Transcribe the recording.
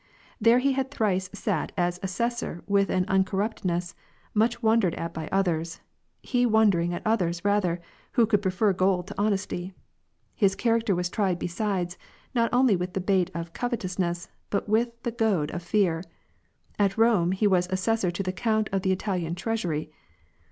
There he had thrice sat as Assessor with an imcor ruptness, much wondered at by others, he wondering at others rather, who could prefer gold to honesty. His cha racter was tried besides, not only with the bait of covetous ness, but with the goad of fear. At Rome he was Assessor to the Count of the Italian Treasury'.